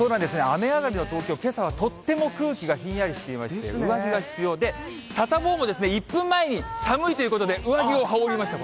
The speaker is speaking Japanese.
雨上がりの東京、けさはとっても空気がひんやりしていまして、上着が必要で、サタボーも１分前に寒いということで上着を羽織りました。